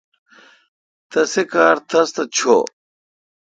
تسی کار تس تھ چور۔